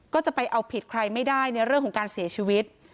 ก็จะไปเอาผิดใครไม่ได้ในเรื่องของการเสียชีวิต